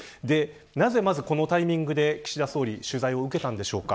なぜまずこのタイミングで岸田総理取材を受けたのでしょうか